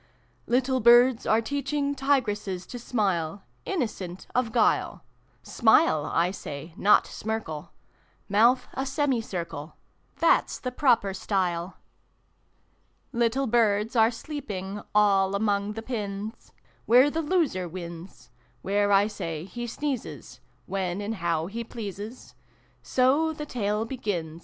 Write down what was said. Little Birds are teaching Tigresses to smile, Innocent of guile : Smile, I say, not smirkle Month a semicircle, That's the proper style ! Little Birds are sleeping All among the pins, Where the loser wins: Where, I say, he sneezes When and how he pleases So the Tale begins.